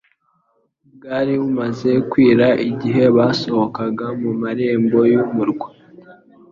Bwari bumaze kwira igihe basohokaga mu marembo y'umurwa.